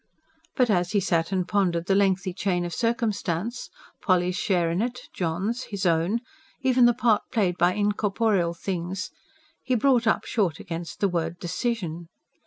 But as he sat and pondered the lengthy chain of circumstance Polly's share in it, John's, his own, even the part played by incorporeal things he brought up short against the word "decision".